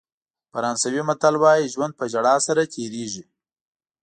فرانسوي متل وایي ژوند په ژړا سره تېرېږي.